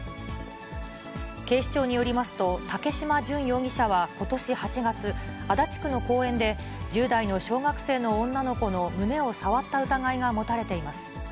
警視庁によりますと、竹嶋純容疑者はことし８月、足立区の公園で、１０代の小学生の女の子の胸を触った疑いが持たれています。